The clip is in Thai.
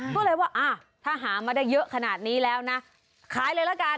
ก็เลยว่าถ้าหามาได้เยอะขนาดนี้แล้วนะขายเลยละกัน